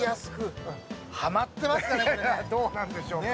どうなんでしょうか？